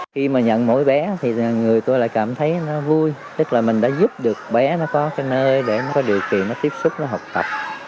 khi mà nhận mỗi bé thì người tôi lại cảm thấy nó vui tức là mình đã giúp được bé nó có cái nơi để nó có điều kiện nó tiếp xúc nó học tập